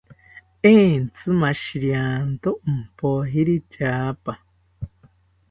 Entzi mashirianto ompojiri tyaapa